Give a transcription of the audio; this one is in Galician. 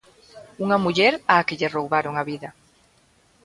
Unha muller á que lle roubaron a vida.